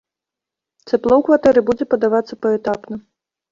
Цяпло ў кватэры будзе падавацца паэтапна.